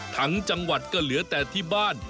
จังหวัดก็เหลือแต่ที่บ้าน